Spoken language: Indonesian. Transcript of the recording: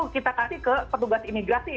kita kasih ke petugas imigrasi